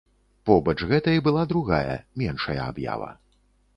Побач гэтай была другая, меншая аб'ява.